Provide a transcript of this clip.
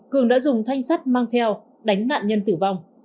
cường đã dùng thanh sắt mang theo đánh nạn nhân tử vong